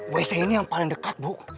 wc ini yang paling dekat bu